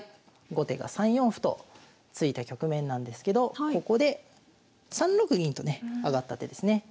後手が３四歩と突いた局面なんですけどここで３六銀とね上がった手ですね。